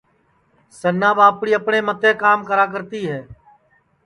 سنا ٻاپڑی اپٹؔیں متے کام کراکرتی ہے